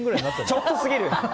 ちょっとすぎる！